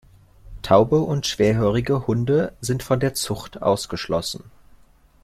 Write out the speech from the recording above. Taube und schwerhörige Hunde sind von der Zucht ausgeschlossen.